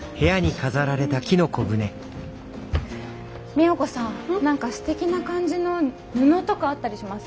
ＭＩＹＡＫＯさん何かすてきな感じの布とかあったりします？